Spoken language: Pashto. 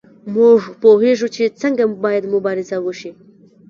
موږ پوهیږو چې څنګه باید مبارزه وشي.